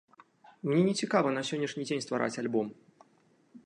Мне не цікава на сённяшні дзень ствараць альбом.